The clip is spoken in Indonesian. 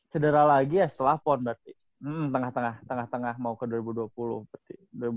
cedera lagi ya setelah pon berarti hmm tengah tengah tengah tengah mau ke dua ribu dua puluh berarti